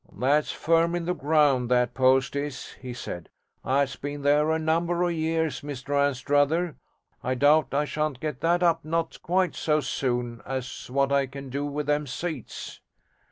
'That's firm in the ground, that post is,' he said. 'That's been there a number of years, Mr Anstruther. I doubt I shan't get that up not quite so soon as what I can do with them seats.'